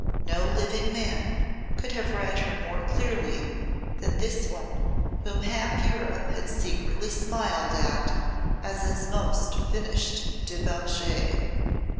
No living man could have read her more clearly than this one whom half Europe had secretly smiled at as its most finished debauchée.